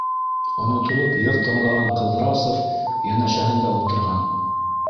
Онотолоп йыр тыңлаған Ҡыҙрасов йәнәшәһендә ултырған